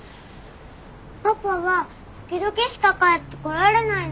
パパは時々しか帰ってこられないの。